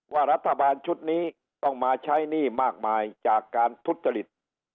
ว่ารัฐบาลชุดนี้ต้องมาใช้หนี้มากมายจากการทุจริต